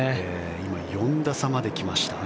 今４打差まで来ました。